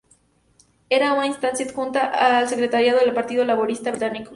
Era una instancia adjunta al secretariado del Partido Laborista Británico.